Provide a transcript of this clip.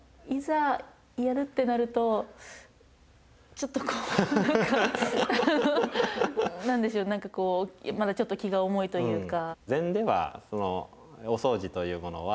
ちょっとこう何か何でしょう何かこうまだちょっと気が重いというか。